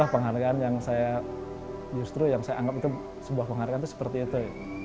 penghargaan yang saya justru yang saya anggap itu sebuah penghargaan itu seperti itu